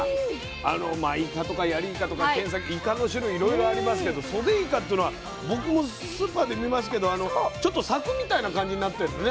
あのまあイカとかヤリイカとかケンサキイカの種類いろいろありますけどソデイカっていうのは僕もスーパーで見ますけどちょっとさくみたいな感じになってんのね。